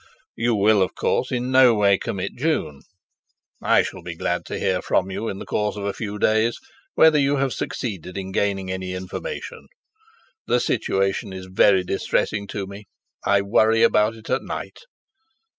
You will of course in no way commit June. I shall be glad to hear from you in the course of a few days whether you have succeeded in gaining any information. The situation is very distressing to me, I worry about it at night.